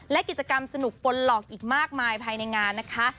และกิจกรรมสนุกปนหลอกอีกมากมายภายในงานนะคะ